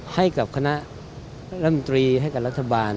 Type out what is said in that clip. ให้กับคณะรำตรีให้กับรัฐบาล